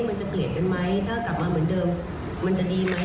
เกลียดกันไหมถ้ากลับมาเหมือนเดิมมันจะดีไหม